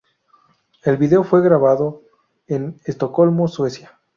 El video fue grabado en Estocolmo, Suecia.